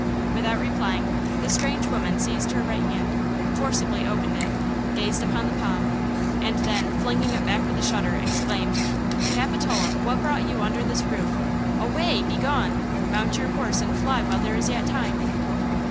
Without replying, the strange woman seized her right hand, forcibly opened it, gazed upon the palm and then, flinging it back with a shudder, exclaimed: "Capitola, what brought you under this roof? Away! Begone! Mount your horse and fly while there is yet time!"